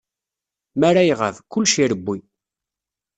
Mi ara iɣab, kullec irewwi.